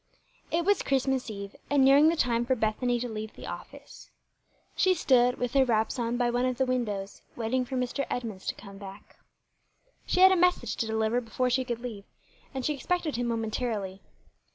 IT was Christmas eve, and nearing the time for Bethany to leave the office. She stood, with her wraps on, by one of the windows, waiting for Mr. Edmunds to come back. She had a message to deliver before she could leave, and she expected him momentarily.